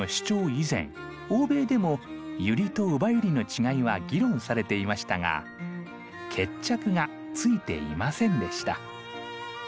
以前欧米でもユリとウバユリの違いは議論されていましたが決着がついていませんでした。